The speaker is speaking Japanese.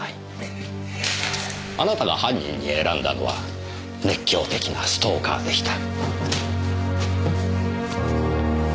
あなたが犯人に選んだのは熱狂的なストーカーでした。